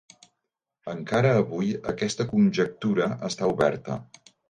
Encara avui, aquesta conjectura està oberta.